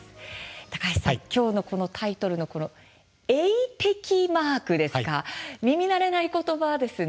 高橋さん、今日のこのタイトルの映適マーク耳慣れない言葉ですね。